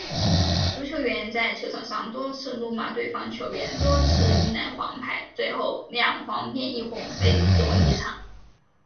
足球员在球场上多次怒骂对方球员，多次迎来黄牌，最后两黄变一红，被逐离场。